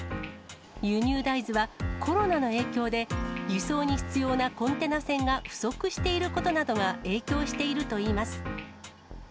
輸入大豆はコロナの影響で、輸送に必要なコンテナ船が不足していることなどが影響しているといいます。